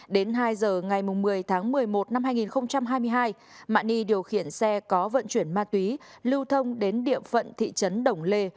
đến hai giờ ngày một mươi tháng một mươi một năm hai nghìn hai mươi hai mạ ni điều khiển xe có vận chuyển ma túy lưu thông đến địa phận thị trấn đồng lê